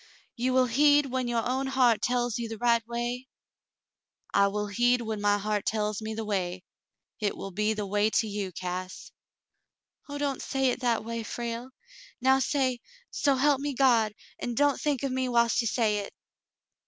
*'You will heed when your own heart tells you the right way ?" '*I will heed when my heart tells me the way : hit will be the way to you, Cass." "Oh, don't say it that way, Frale. Now say, *So help me God,' and don't think of me whilst you say it."